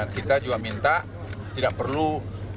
kita juga minta tidak perlu keluarga korban